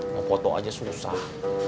mau foto aja susah